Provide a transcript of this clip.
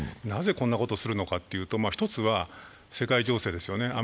なぜこんなことをするのかというと、１つは世界情勢ですね。